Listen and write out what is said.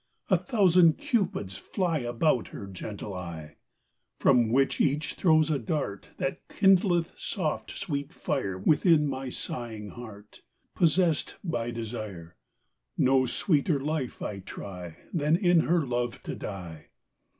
A thousand Cupids fly About her gentle eye; From which each throws a dart, That kindleth soft sweet fire Within my sighing heart, Possessed by desire: No sweeter life I try Than in her love to die!